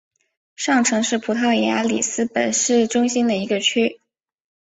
上城是葡萄牙里斯本市中心的一个区。